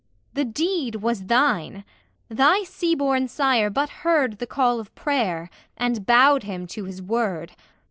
The deed was thine. Thy Sea born Sire but heard The call of prayer, and bowed him to his word.